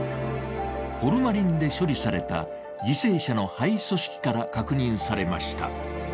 ホルマリンで処理された犠牲者の肺組織から確認されました。